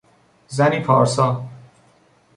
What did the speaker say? زنی پارسا